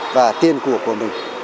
và tiền của mình